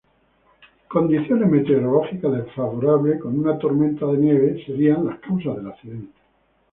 Condiciones meteorológicas desfavorables con una tormenta de nieve serían las causas del accidente.